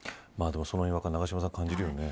その違和感は永島さん感じるよね。